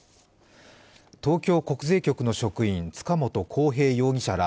東京国税局の職員、塚本晃平容疑者ら